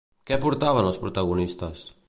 Què portaven els protagonistes?